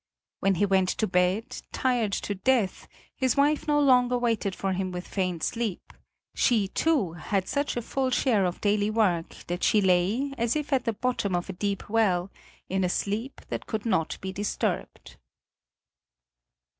When he went to bed, tired to death, his wife no longer waited for him with feigned sleep; she, too, had such a full share of daily work that she lay, as if at the bottom of a deep well, in a sleep that could not be disturbed.